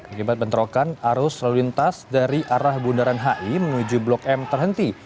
akibat bentrokan arus lalu lintas dari arah bundaran hi menuju blok m terhenti